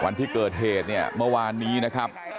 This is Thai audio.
วันที่เกิดเหตุเนี่ยเมื่อวานนี้นะครับ